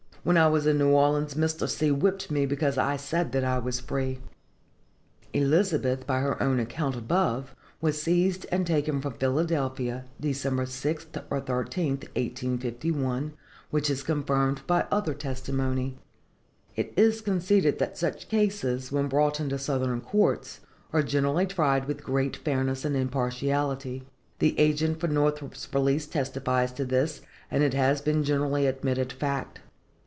"When I was in New Orleans Mr. C. whipped me because I said that I was free." Elizabeth, by her own account above, was seized and taken from Pennsylvania, Dec. 6th or 13th, 1851, which is confirmed by other testimony. It is conceded that such cases, when brought into Southern courts, are generally tried with great fairness and impartiality. The agent for Northrop's release testifies to this, and it has been generally admitted fact.